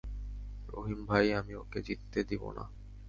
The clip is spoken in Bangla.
রহিম ভাই আমি ওকে জিততে দিবো না।